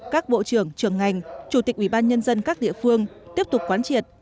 các bộ trưởng trường ngành chủ tịch ubnd các địa phương tiếp tục quán triệt